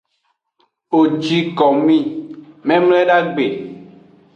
Wo ji komi memledagbe.